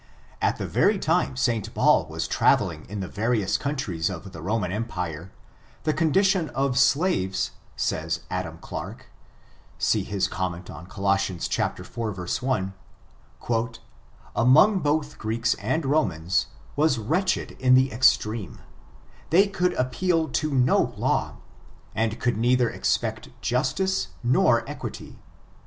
At the very time St. Paul was traveling in the va rious countries of the Roman empire, the condition of slaves, says Adam Clarke (see his comment on Coloss. iv, 1), "among both Greeks and Romans, was wretched in the extreme : they could appeal to no law, and could neither expect justice nor equity.